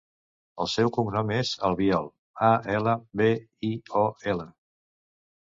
El seu cognom és Albiol: a, ela, be, i, o, ela.